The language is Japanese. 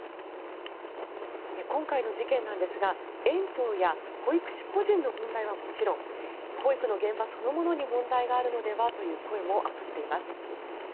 今回の事件なんですが園長や保育士個人の問題はもちろん保育の現場そのものに問題があるのではという声も上がっています。